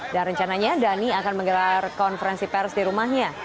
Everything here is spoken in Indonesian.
dan rencananya dhani akan menggerak konferensi pers di rumahnya